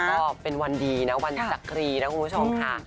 ก็เป็นวันดีนะวันจักรีนะคุณผู้ชมค่ะ